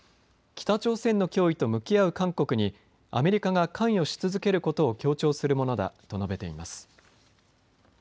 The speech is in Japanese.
北朝鮮の脅威と向き合う韓国にアメリカが関与し続けることを強調するものだと述べています。